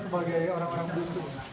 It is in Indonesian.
kita sebagai orang orang butuh